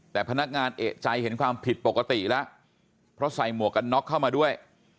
แต่พนักงานเอกใจเห็นความผิดปกติแล้วเพราะใส่หมวกกันน็อกเข้ามาด้วย